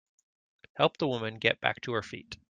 Help the woman get back to her feet.